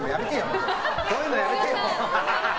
そういうのやめてよ。